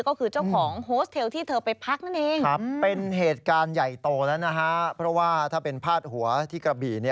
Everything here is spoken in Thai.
ก็คือเจ้าของโฮสเทลที่เธอไปพักนั่นเอง